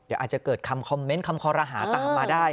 อาจจะเกิดคำคอมเมนต์คำขอรหาต่ำมาได้